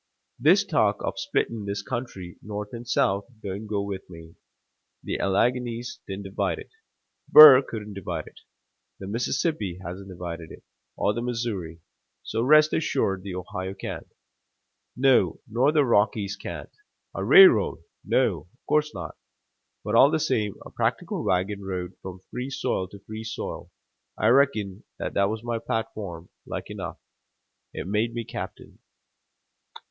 This talk of splitting this country, North and South, don't go with me. The Alleghanies didn't divide it. Burr couldn't divide it. The Mississippi hasn't divided it, or the Missouri, so rest assured the Ohio can't. No, nor the Rockies can't! A railroad? No, of course not. But all the same, a practical wagon road from free soil to free soil I reckon that was my platform, like enough. It made me captain."